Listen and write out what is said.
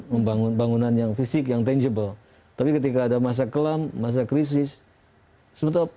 membangun bangunan yang fisik yang tangible tapi ketika ada masa kelam masa krisis sebetulnya